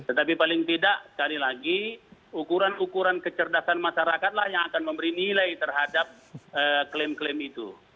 tetapi paling tidak sekali lagi ukuran ukuran kecerdasan masyarakatlah yang akan memberi nilai terhadap klaim klaim itu